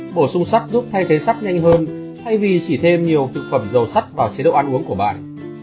bổ sung sắt giúp thay thế sắt nhanh hơn thay vì chỉ thêm nhiều thực phẩm dầu sắt vào chế độ ăn uống của bạn